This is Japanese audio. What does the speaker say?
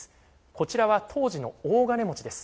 こちらは当時の大金持ちです。